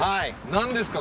何ですか？